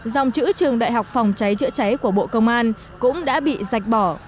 dòng chữ trường đại học phòng cháy chữa cháy của bộ công an cũng đã bị giạch bỏ